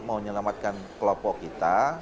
mau menyelamatkan kelompok kita